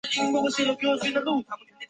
毛振飞住在基隆市的国民住宅老公寓。